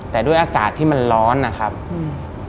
แต่ด้วยอากาศที่มันร้อนนะครับอืม